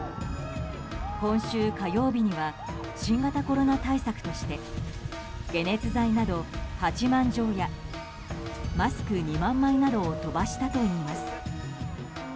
今週火曜日には新型コロナ対策として解熱剤など８万錠やマスク２万枚などを飛ばしたといいます。